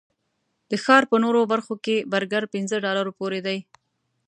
د ښار په نورو برخو کې برګر پنځه ډالرو پورې دي.